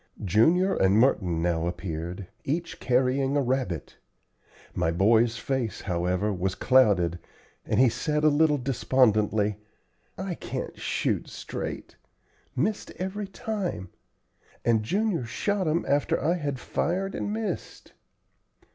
Junior and Merton now appeared, each carrying a rabbit. My boy's face, however, was clouded, and he said, a little despondently, "I can't shoot straight missed every time; and Junior shot 'em after I had fired and missed."